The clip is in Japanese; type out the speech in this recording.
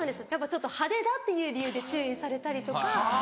ちょっと派手だっていう理由で注意されたりとか。